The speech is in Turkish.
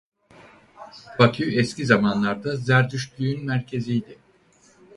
Bakü eski zamanlarda Zerdüştlüğün merkeziydi.